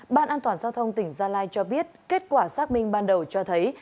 ban an toàn giao thông tỉnh gia lai cho biết kết quả xác minh ban đầu cho thấy